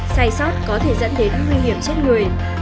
sai sót có thể dẫn đến nguy hiểm chết người